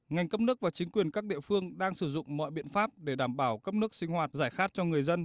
ngành cấp nước và chính quyền các địa phương đang sử dụng mọi biện pháp để đảm bảo cấp nước sinh hoạt giải khát cho người dân